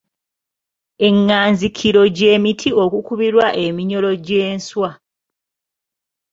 Enganzikiro gye miti okukubirwa eminyoro gy’enswa.